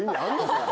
それ。